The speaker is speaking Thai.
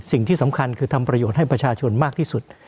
สิ่งที่สำคัญคือทำประโยชน์ให้ประชาชนมากที่สุด